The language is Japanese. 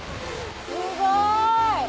すごい！